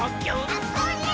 あ、それっ！